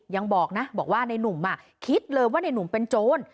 ยังบอกนะบอกว่าในหนุ่มคิดเลยว่าในหนุ่มเป็นโจร